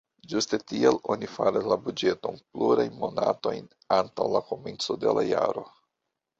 Ĝuste tial oni faras la buĝeton plurajn monatojn antaŭ la komenco de la jaro.